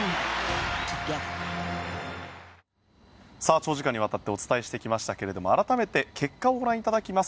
長時間にわたってお伝えしてきましたが改めて結果をご覧いただきます。